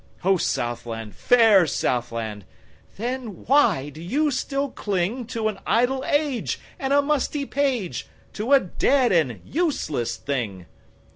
O Southland, fair Southland! Then why do you still clingTo an idle age and a musty page, To a dead and useless thing?